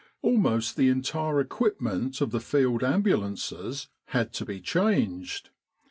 Almost the entire equipment of the Field Ambulances had to be changed.